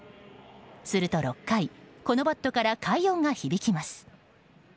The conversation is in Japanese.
すると、６回このバットから快音が響きます。